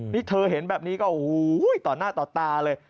นี่เธอเห็นแบบนี้ก็โอ้โหต่อหน้าต่อตาเลย